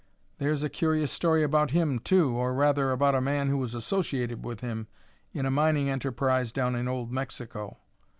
There's a curious story about him, too, or, rather, about a man who was associated with him in a mining enterprise down in old Mexico.